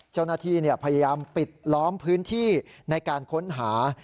เจ้าหน้าที่พยายามปิดล้อมพื้นที่ในการค้นหา